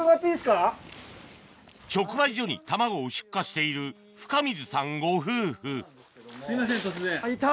直売所に卵を出荷している深水さんご夫婦あっいた！